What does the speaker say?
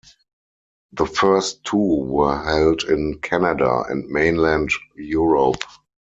The first two were held in Canada and mainland Europe.